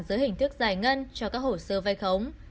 dưới hình thức giải ngân cho các hồ sơ vai khống